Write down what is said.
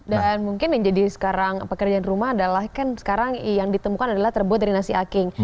dan mungkin yang jadi sekarang pekerjaan rumah adalah kan sekarang yang ditemukan adalah terbuat dari nasi aking